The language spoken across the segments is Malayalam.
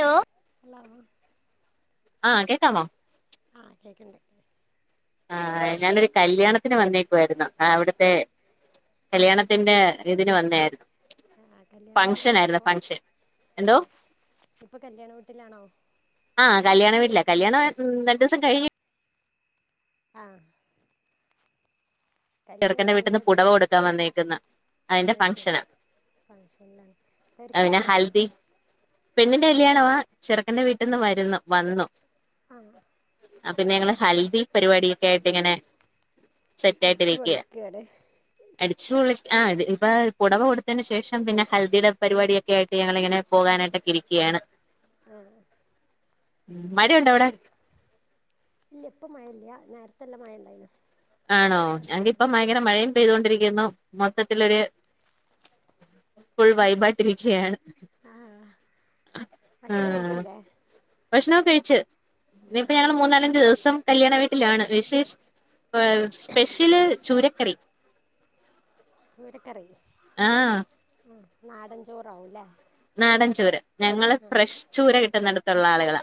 ഹലോ ഹലോ ആ കേക്കാമോ കേൾക്കണ്ട ആ ഞാനൊരു കല്യാണത്തിന് വന്നേക്കുവായിരുന്നു അവിടുത്തെ കല്യാണത്തിന്റെ ഇതിന് വന്നായിരുന്നു ഫങ്ഷൻ ആയിരുന്നു ഫങ്ഷൻ ആഹ ഇപ്പൊ കല്യാണ വീട്ടിലാണോ ആഹ് കല്യാണം വീട്ടില്ല കല്യാണം രണ്ടു ദിവസം കഴിഞ്ഞു ആഹ ചെറക്കന്റെ വീട്ടിൽ നിന്ന് പുടവ കഴിഞ്ഞതാണ് ആ കൊടുക്കാൻ വന്നേക്കുന്നു അതിന്റെ ഫംഗഷന് ഫഷനിലാണ് തരിക്കലാണോ ഹൽദി പെണ്ണിന്റെ കലിയണവ ചെറുക്കൻന്റെ വീട്ടിൽ നിന്ന് വരുന്നു വന്നു ആ ആ പിന്നെ ഞങ്ങള് ഹൽദി പരിപാടൊക്കെ ആയിട്ട് ഇങ്ങനെ സെറ്റയായിട്ട ക്കടേ ആ ഇ ഇപ്പ പുടവ കൊടുത്തതിനു ശേഷം പിന്നെ ഹൽദിയുടെ പരിപാടിയക്കെ ആയിട്ട് ഞങ്ങിങ്ങനെ പോകാനായിട്ടൊക്കെ ഇരിക്കും ക്കെയാണ് ആഹ മഴയുണ്ടോ അവിടെ പി ഇല്ല ഇപ്പ മഴ ഇല്ല നേരത്തെല്ല മഴ ഉണ്ടായിന ആണോ എങ്ക ഇപ്പ ഭയങ്കര മഴയും പെയതൊണ്ടിരിക്കും ആ മൊത്തത്തിലരു ഇപ്പോൾ വൈബായ്ട്ടിരിക്കയാണ് ആ ഭക്ഷണം കഴിച്ചില്ലേ ഭക്ഷണംമൊക്കെ കഴിച്ച് ഉം. ഇനിയിപ്പ ഞങ്ങള്ൾ എന്താ മൂന്നാലഞ്ച സ്പെഷ്യൽ ദിവസം കല്യാണ വീട്ടിലാണ് വിശേഷ് സ്പെഷ്യല് ചൂരക്കറി ചൂരക്കറി ആഹ ആ നാടൻചോറാവുംല്ലേ നാടൻ ചൂര ഞങ്ങള് ഫ്രഷ് ചൂര കിട്ടുന്നിടുത്തുള്ള ആളുകളാ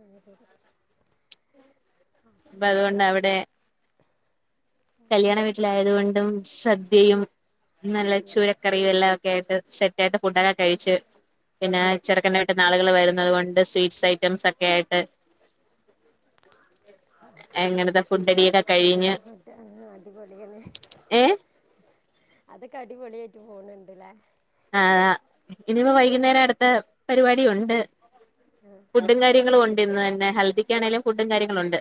അ ശരി അ അപ്പൊ അതുകൊണ്ട് അവിടെ കല്യാണ വീട്ടിലായതുക കൊണ്ടും സദ്യയും നല്ല സദ്യ ചൂരക്കറിയും എല്ലാം ഒക്കെ ആയിട്ട് സെറ്റ് ആയിട്ട് ഫുഡൊക്കെ കഴിച്ചു പിന്നെ ചെറുക്കണ്ണട്ട ആളുകൾ വരുന്നത് കൊണ്ട് സ്വീറ്റ്സ് ഐറ്റംസ് ഒക്കെ ആയിട്ട് എങ്ങനത്തെ ഫുഡ്ടിയൊക്കെ കഴിഞ്ഞഞ് അങ്ങനത്തെ ഫുഡ് ആ അടിപൊളിയാണ് അതൊക്കെ അടിപൊളിയായിട്ട് പോണിണ്ട്ല്ലേ ആ ഇനിപ്പ വൈകുന്നേര അടുത്ത പരിപാടി ഉണ്ട് ആ ഫുഡും കാര്യങ്ങളും ഉണ്ട് ഇന്ന് തന്നെ ഹെൽദിക്കാണേങ്കലും ഫുഡും കാര്യങ്ങളും ഉണ്ട്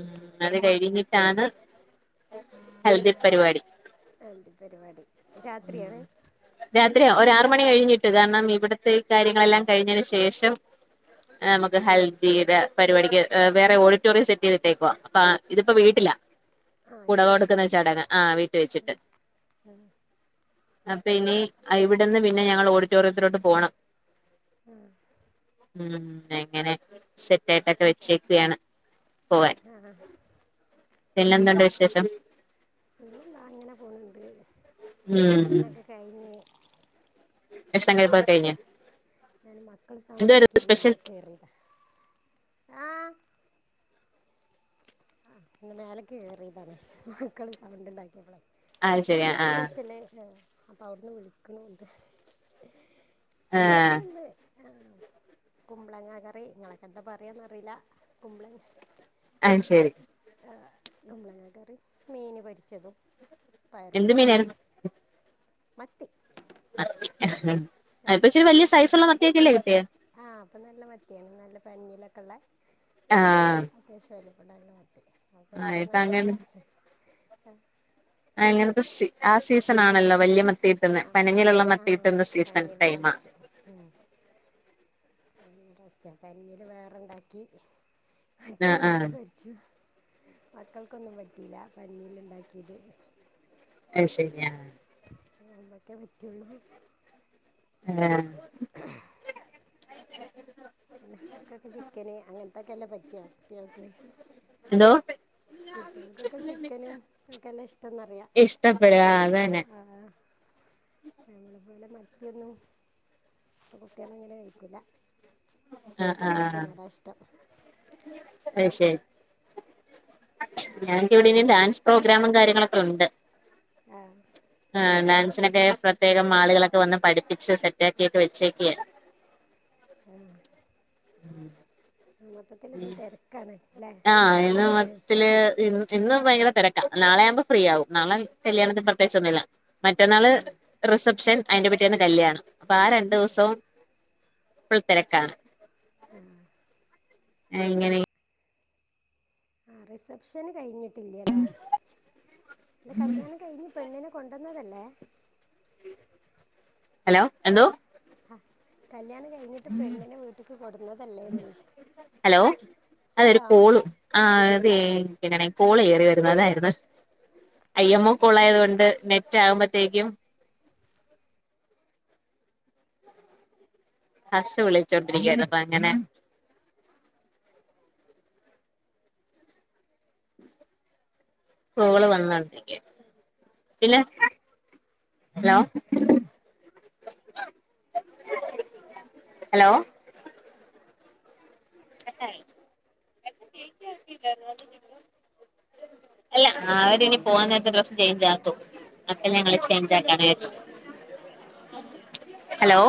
ഉമ് അത് കഴിഞ്ഞിട്ടാണ് ഹൽദീ പരിപാടി എന്ത് പരിപാടി രാത്രിയാണ് രാത്രി ഒരാറ് മണി കഴിഞ്ഞിട്ട് കാരണം ഇവിടത്തെഈ കാര്യങ്ങളെല്ലാം കഴിഞ്ഞതിന് ശേഷം ആ മക്ക് ഹൽ ദി പരിപാടിക്ക് ഏ വേറെ ഓഡിറ്റോറിയം സെറ്റ് ചെയ്തിട്ടേക്കോ അപ്പ ഇതിപ്പോ വീട്ടിലാ ആ ഇത് കുടവ വീട്ടിൽ കൊടുക്കുന്ന ചടങ്ങ് ആഹ വീട്ട വെച്ചിട്ട് അപ്പൊ ഇനി ഇവിടെന്ന് പിന്നെ ഞങ്ങള് ഓഡിറ്റോറിയത്തിലോട്ട് പോണം ഉ ഉം എങ്ങനെ സെറ്റ ആയിട്ടൊക്കെ വെച്ചേക്കുകയാണ് ആ പിന്നെന്തണ്ട് വിശേഷം പിന്നെന്താ അങ്ങനെ പോന്നുണ്ട് ഭക്ഷണംമൊക്കെ കഴിഞ്ഞ് ഭഷ്ണ കഴപ്പാ അടിയിൽ കഴിഞ്ഞ ഞാൻ മക്കള് സൗണ്ട് ഉണ്ടാക്കിട്ട് മേലെ കേറിതാ ആ ഇ മേലക്ക് കേയറിയതാണ് മക്കള് സൗണ്ട് ഉണ്ടാക്കിയപ്പോ അത് ശരി ഇ ആഹ് സ്പെഷ്യല് അപ്പൊ അവിടുന്ന് വിളികുണണ്ട് ആഹ് സ്പെഷ്യലെന്ത് കുമ്പളങ്ങ കറി നിങ്ങളൊക്കെ എന്താ പറയാന്ന് അറിയില്ല കുമ്പളങ്ങ കറി അയ്ശെരി കുമ്പളങ്ങ കറി മീൻ പൊരിച്ചതും എന്ത് പയറുപ്പേരിയും മീനായിരുന്നു മത്തി മത്തി ഇപ്പൊ ഇച്ചിരി വലിയ സൈസുള്ള മത്തിയൊക്കെല്ലേ കിട്ടിയെ ആഹ് അപ്പൊ നല്ല മത്തിയാണ് നല്ല പന്നിലൊക്കെ ഉള്ളെ ആഹ് നല്ല മത്തി അത് ആഹ് പൊരിച്ച ഇപ്പൊ നല്ല ടേസ്റ്റാ ആ ഇങ്ങനത്തെ സ ആ സീസൺ ആണല്ലോ വലിയ മ ത്തിട്ടുന്ന ആ പഞ്ഞിയുള്ള ആ മത്തികിട്ടുന്ന സീസൺ പഞ്ഞിലുള്ള ടൈമാ മത്തി ഉം. നല്ല ടേസ്റ്റാ പഞ്ഞിന് വേറെണ്ടാക്കി മത്തി ആഹ് വേറെ ആഹ് പൊരിച്ചു മക്കൾക്കൊന്നും പറ്റിയില്ല പഞ്ഞിന് ഉണ്ടാക്കിയത് അയ്ശെരിയാ അമ്മക്കെ പറ്റൊള്ളു ഏഹ് [unintelligible] തൊക്കല്ലെ പറ്റ കുട്ടികൾക്ക് എന്തോ കുട്ടികൾക്കൊക്കെ ചിക്കനും ഒക്കെ എന്നെ ഇഷ്ടംന്നറിയ ആ അതന്നെ മത്തിയെന്നും കുട്ടികല് അങ്ങനെ കഴിക്കൂല ആഹ് എനിക്ക് മത്തിനോടാ ഇഷ്ടം അയ്ശെരി ഞങ്ങക്ക് ഇവിടെ ഇനി പിന്നെ ഡാൻസ് പ്രോഗ്രാം കാര്യങ്ങളൊക്കെ ഉണ്ട് ആഹ് ആ ഡാൻസിനൊക്കെ പ്രത്യേകം ആളുകളൊക്കെ വന്ന് പഠിപ്പിച്ച് സെറ്റ ആക്കിയൊക്കെ വെച്ചേക്ക്യ ഉം മൊത്തത്തിൽ ഇന്ന് തെരക്കാണ് അല്ലെ തെരക്ക് പിടിച്ച ദിവസം ഇന്നും ഭയങ്കര തെരക്കാ നാളെ ആവുമ്പോ ഫ്രീ ആവും നാളെ കല്യാണത്തിന് പ്രത്യേകിച്ചൊന്നുമില്ല മറ്റന്നാള് റിസപ്ഷൻ അയിന്റെ പിറ്റേന്ന് കല്യാണം അപ്പ ആ രണ്ടു ദിവസവും ഫുൾ തെരക്കാണ് ആഹ എങ്ങനെ ആ റിസപ്ഷന് കയ്ഞ്ഞ് ല്ല്യ ലെ കല്യാണം കഴിഞ്ഞ് പെണ്ണിനെ കൊണ്ടോന്നതല്ലേ ഹലോ എന്തോ ആ കല്യാണം കഴിഞ്ഞിട്ട് പെണ്ണിനെ വീട്ടിക്ക് കൊടുന്നതല്ലേന്ന് ചോയ്ച്ച ഹലോ അതൊരു കോളും ആ അതെ അതിന്റെടേൽ കോൾ കേറി വരുന്നു അതായിരുന്നു ഐ ആ എമ്മോ ശരി കോളായത് കൊണ്ട് നെ ഉച്ചാകുമ്പോത്തേക്കും ഹസ്സ് വിളിച്ചോണ്ടിരിക്കായിരുന്നു അപ്പൊ അങ്ങനെ കോള് വന്നോണ്ടിരിക്ക പിന്നെ ഹലോ ഹലോ [inaudible] അല്ല അവര് ഇനി പോവാൻ നേരത്ത് ഡ്രസ്സ് ചെയ്ഞ്ചാക്കും അപ്പൊ ഞങ്ങള് ചേഞ്ചാക്കാ വിചാരിച്ച് [inaudible] ഹലോ